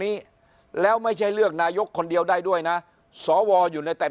นี้แล้วไม่ใช่เลือกนายกคนเดียวได้ด้วยนะสวอยู่ในแต่